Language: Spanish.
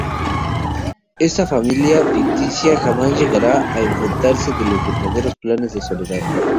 Esta familia ficticia jamás llegará a enterarse de los verdaderos planes de Soledad.